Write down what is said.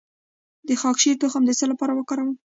د خاکشیر تخم د څه لپاره وکاروم؟